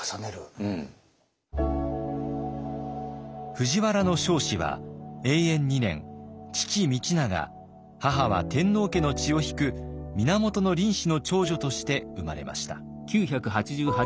藤原彰子は永延二年父道長母は天皇家の血を引く源倫子の長女として生まれました。